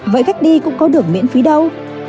vậy cách đi cũng có được miễn phí đâu